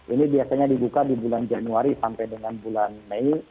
ini biasanya dibuka di bulan januari sampai dengan bulan mei